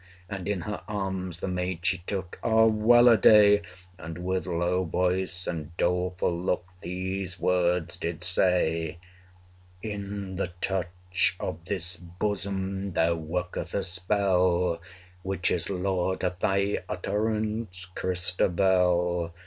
And in her arms the maid she took, Ah wel a day! And with low voice and doleful look 265 These words did say: 'In the touch of this bosom there worketh a spell, Which is lord of thy utterance, Christabel!